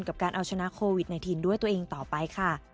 กับการเอาชนะโควิด๑๙ด้วยตัวเองต่อไปค่ะ